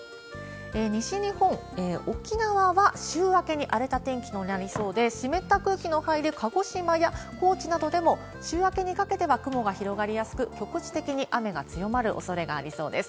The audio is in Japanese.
西日本、沖縄は週明けに荒れた天気となりそうで、湿った空気の入る鹿児島や高知などでも週明けにかけては雲が広がりやすく、局地的に雨が強まるおそれがありそうです。